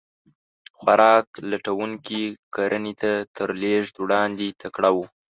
خوراک لټونکي کرنې ته تر لېږد وړاندې تکړه وو.